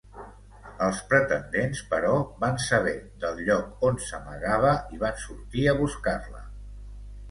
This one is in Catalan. Els pretendents, però, van saber del lloc on s'amagava i van sortir a buscar-la.